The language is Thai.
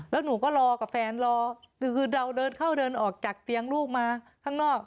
แล้วหนูก็รอกับแฟนรอคือเราเดินเข้าเดินออกจากเตียงลูกมาข้างนอก